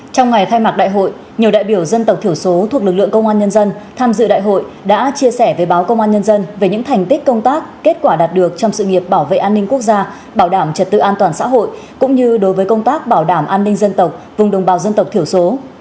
trong ngày khai mạc đại hội nhiều đại biểu dân tộc thiểu số thuộc lực lượng công an nhân dân tham dự đại hội đã chia sẻ với báo công an nhân dân về những thành tích công tác kết quả đạt được trong sự nghiệp bảo vệ an ninh quốc gia bảo đảm trật tự an toàn xã hội cũng như đối với công tác bảo đảm an ninh dân tộc vùng đồng bào dân tộc thiểu số